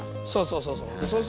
そうそうそうそう。